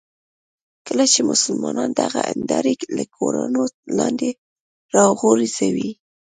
کله چې مسلمانان دغه هندارې له کورونو لاندې راوغورځوي.